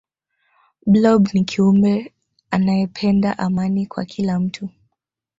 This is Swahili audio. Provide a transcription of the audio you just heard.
blob ni kiumbe anayependa amani kwa kila mtu